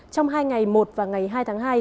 trong hai ngày một và ngày hai tháng hai